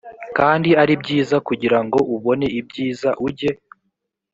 kandi ari byiza kugira ngo ubone ibyiza ujye